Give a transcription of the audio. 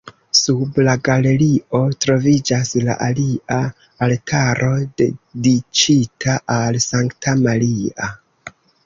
Sub la galerio troviĝas la alia altaro dediĉita al Sankta Maria.